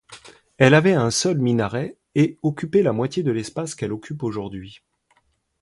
Elle avait un seul minaret et occupait la moitié de l’espace qu’elle occupe aujourd’hui.